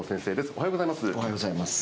おはようございます。